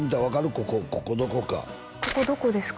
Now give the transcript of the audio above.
ここここどこかここどこですか？